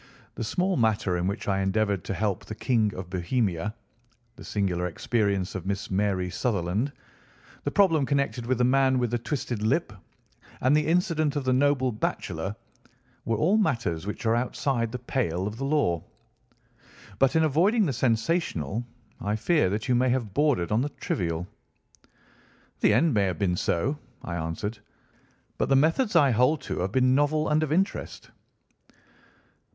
The small matter in which I endeavoured to help the King of Bohemia, the singular experience of Miss Mary Sutherland, the problem connected with the man with the twisted lip, and the incident of the noble bachelor, were all matters which are outside the pale of the law. But in avoiding the sensational, I fear that you may have bordered on the trivial." "The end may have been so," I answered, "but the methods I hold to have been novel and of interest."